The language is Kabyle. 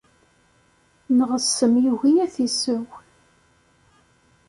Neɣ ssem yugi ad t-isew.